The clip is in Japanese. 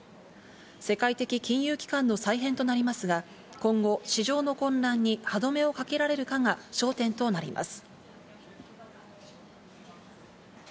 世界的金融機関の再編となりますが、今後、市場の混乱に歯止めをかけられるかが焦点となります。